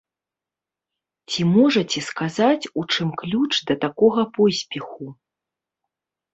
Ці можаце сказаць, у чым ключ да такога поспеху?